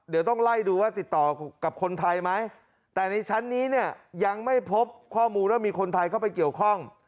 เดี๋ยวต้องไล่ดูว่าติดต่อกับคนไทยไหมแต่ในชั้นนี้เนี่ยยังไม่พบข้อมูลว่ามีคนไทยเข้าไปเกี่ยวข้อง